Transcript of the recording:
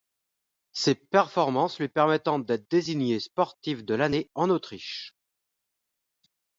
Ses performances lui permettant d'être désignée sportive de l'année en Autriche.